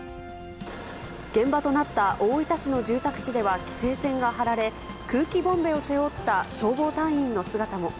現場となった大分市の住宅地では規制線が張られ、空気ボンベを背負った消防隊員の姿も。